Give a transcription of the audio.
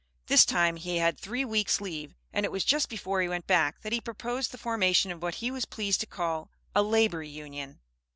This time he had three weeks' leave, and it was just before he went back that he proposed the formation of what he was pleased to call "A Labor Union."